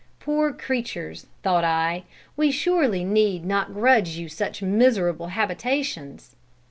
'Poor creatures!' thought I, 'we surely need not grudge you such miserable habitations.'